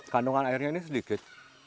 kandungan airnya ini sedikit